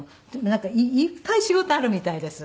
なんかいっぱい仕事あるみたいです。